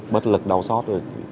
bất lực đau xót rồi